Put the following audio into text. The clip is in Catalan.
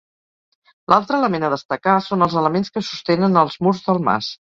L'altre element a destacar són els elements que sostenen els murs del mas.